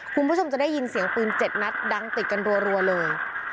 คุณผู้ชมจะได้ยินเสียงปืน๗นัดดังติดกันรัวเลย